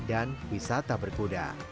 dan wisata berkuda